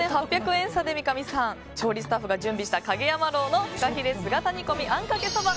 ４８００円差で三上さん調理スタッフが準備した蔭山樓のフカヒレ姿煮込みあんかけそば